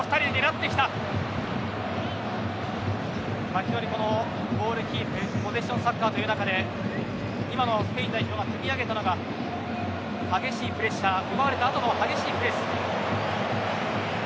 非常にゴールキックポジションサッカーという中で今のスペイン代表が積み上げたのが激しいプレッシャー奪われた後の激しいプレス。